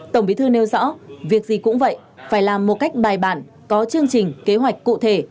tổng bí thư nêu rõ việc gì cũng vậy phải làm một cách bài bản có chương trình kế hoạch cụ thể